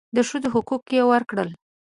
د ښځو حقوق یې ورکړل.